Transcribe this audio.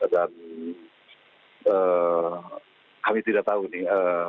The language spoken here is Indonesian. dan kami tidak tahu nih